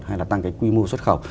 hay là tăng cái quy mô xuất khẩu